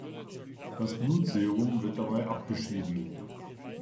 Das Blutserum wird dabei abgeschieden.